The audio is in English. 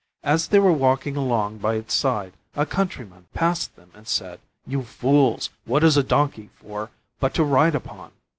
As they were walking along by its side a countryman passed them and said: "You fools, what is a Donkey for but to ride upon?"